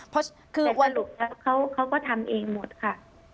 แต่สรุปแล้วเขาก็ทำเองหมดค่ะ